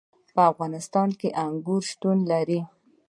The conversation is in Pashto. په افغانستان کې انګور شتون لري.